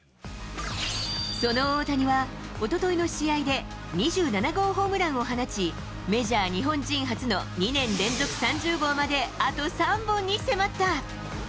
その大谷は、おとといの試合で２７号ホームランを放ち、メジャー日本人初の２年連続３０号まであと３本に迫った。